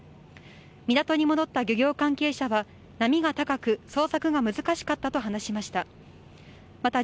港に戻った漁業関係者は波が高く捜索が難しかったと話しました。